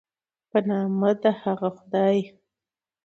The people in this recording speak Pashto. په نامه د هغه خدای